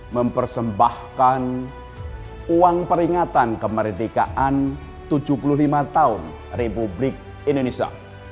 mempersembahkan uang peringatan kemerdekaan tujuh puluh lima tahun republik indonesia